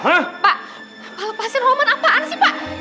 bapak lepasin roman apaan sih pak